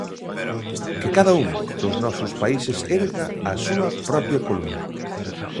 Que cada un dos nosos países erga a súa propia columna.